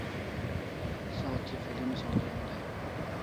Saw thi film sawzen dai